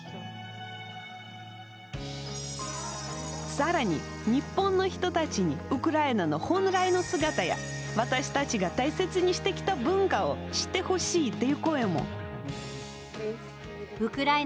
さらに、日本の人たちにウクライナの本来の姿や私たちが大切にしてきた文化を知ってほしいという声も。